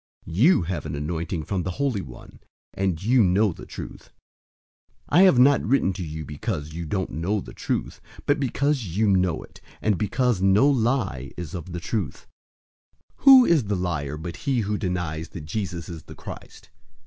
002:020 You have an anointing from the Holy One, and you know the truth. 002:021 I have not written to you because you don't know the truth, but because you know it, and because no lie is of the truth. 002:022 Who is the liar but he who denies that Jesus is the Christ?